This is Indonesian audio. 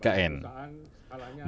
dalam perjalanan ke ikn